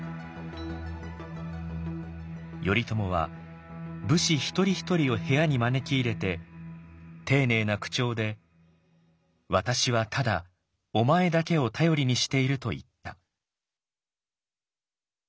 頼朝は武士一人一人を部屋に招き入れて丁寧な口調で「わたしはただお前だけを頼りにしている」と言った。